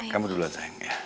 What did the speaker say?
kamu duluan sayang ya